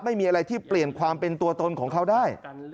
ไม่มีอะไรที่เปลี่ยนความเป็นตัวตนของเขาได้